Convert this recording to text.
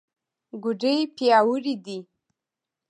ګوډې پیاوړې دي.